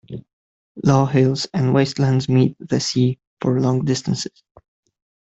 Low hills and wastelands meet the sea for long distances.